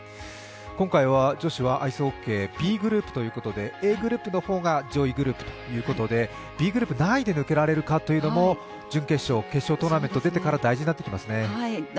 今回は女子はアイスホッケー、Ｂグループということで、Ａグループの方が上位グループということでＢグループ、何位で抜けられるかというのも準決勝、決勝トーナメントに出ても大事になってきますね。